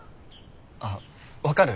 あっ分かる？